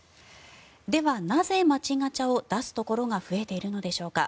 では、なぜ街ガチャを出すところが増えているのでしょうか。